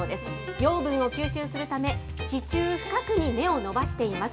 養分を吸収するため、地中深くに根を伸ばしています。